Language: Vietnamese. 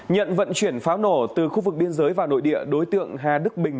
nhận vận chuyển pháo nổ từ khu vực biên giới vào nội địa đối tượng hà đức bình